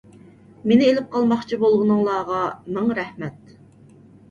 مېنى ئېلىپ قالماقچى بولغىنىڭلارغا مىڭ رەھمەت.